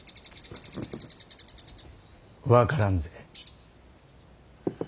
分からんぜ。